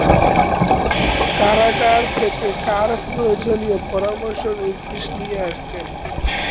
কারাগার থেকে কার প্রয়োজনীয় পরামর্শ ও নির্দেশ নিয়ে আসতেন?